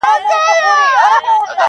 • ښاماران مي تېروله -